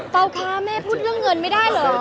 คะแม่พูดเรื่องเงินไม่ได้เหรอ